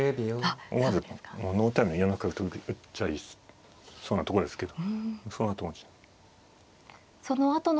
思わずノータイムで４六角と打っちゃいそうなとこですけどそのあと。